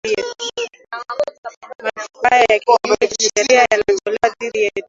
Marufuku haya ya kinyume cha sharia yanatolewa dhidi yetu